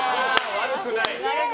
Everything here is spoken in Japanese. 悪くない！